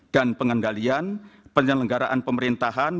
dan pengendalian penyelenggaraan pemerintahan